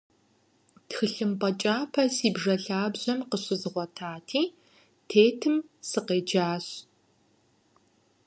Тхылъымпӏэ кӏапэ си бжэ лъабжьэм къыщызгъуэтати, тетым сыкъеджащ.